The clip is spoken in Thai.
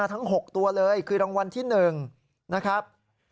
ทั้ง๖ตัวเลยคือรางวัลที่๑นะครับ